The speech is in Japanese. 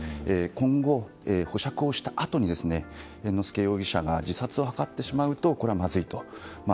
今後、保釈したあとに猿之助被告が自殺を図ってしまうとこれはまずいと。